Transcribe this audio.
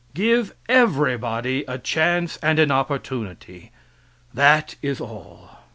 Give everybody a chance and an opportunity; that is all.